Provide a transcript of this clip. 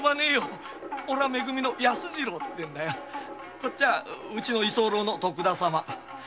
こっちはうちの居候の徳田様。